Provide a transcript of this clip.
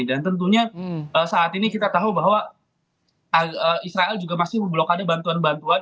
dan tentunya saat ini kita tahu bahwa israel juga masih memblokade bantuan bantuan